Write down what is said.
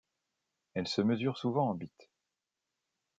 Elle se mesure souvent en bit.